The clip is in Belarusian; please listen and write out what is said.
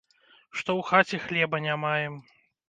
Што ў хаце хлеба не маем.